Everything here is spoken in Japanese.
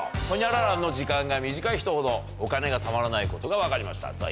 ホニャララの時間が短い人ほどお金が貯まらないことが分かりました。